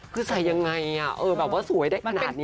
คือใส่ยังไงอ่ะเออแบบว่าสวยได้ขนาดเนี่ย